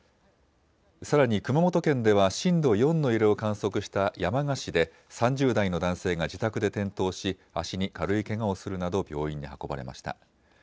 さらに熊本県では震度４の揺れを観測した山鹿市で３０代の男性が自宅で転倒し、足に軽いけがをするなど病院に運ばれました。